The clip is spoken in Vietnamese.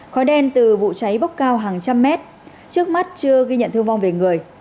khói đen từ vụ cháy bốc cao hàng trăm mét trước mắt chưa ghi nhận thương vong về người